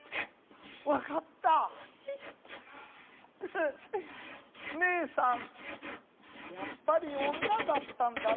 フフねえさんやっぱり女だったんだなあ。